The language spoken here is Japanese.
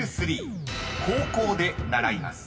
［高校で習います］